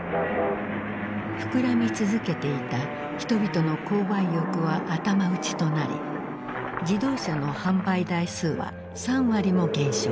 膨らみ続けていた人々の購買欲は頭打ちとなり自動車の販売台数は３割も減少。